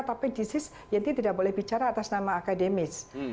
tapi disis yenti tidak boleh bicara atas nama akademis